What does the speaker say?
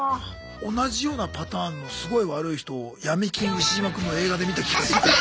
同じようなパターンのすごい悪い人を「闇金ウシジマくん」の映画で見た気がする。